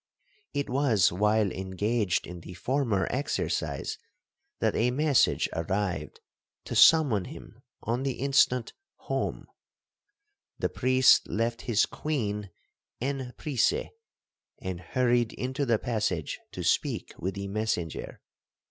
It was while engaged in the former exercise, that a message arrived to summon him on the instant home,—the priest left his queen en prise, and hurried into the passage to speak with the messenger.